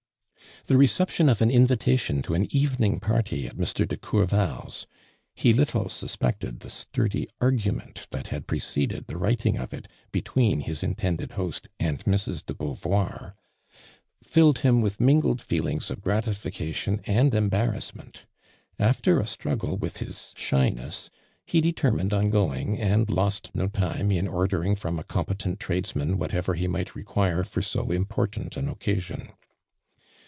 The reception of an invitation to an evening party at Mr. deCourval's (he little suspected the sturdy argument that had preceded ihe writing of it, between his in tended host and Mrs. de Beauvoir) tilled liim with mingled feelings of gratification and embarrassment. After a struggle witli his shyness, he determined on going, and lost no time in or<lering from a com petent tradesman wiiatever he might require for so important an occasion.